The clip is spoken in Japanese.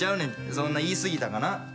そんな言い過ぎたかな。